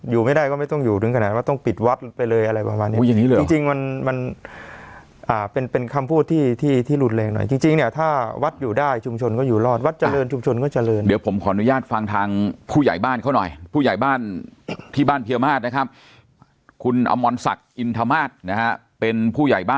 อยู่ไม่ได้ก็ไม่ต้องอยู่ถึงขนาดว่าต้องปิดวัดไปเลยอะไรประมาณเนี้ยอุ้ยอย่างงี้เลยจริงจริงมันมันเป็นเป็นคำพูดที่ที่รุนแรงหน่อยจริงจริงเนี่ยถ้าวัดอยู่ได้ชุมชนก็อยู่รอดวัดเจริญชุมชนก็เจริญเดี๋ยวผมขออนุญาตฟังทางผู้ใหญ่บ้านเขาหน่อยผู้ใหญ่บ้านที่บ้านเพียมาสนะครับคุณอมรศักดิ์อินทมาสนะฮะเป็นผู้ใหญ่บ้าน